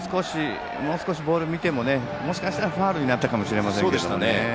もう少しボールを見てももしかしたらファウルになったかもしれません。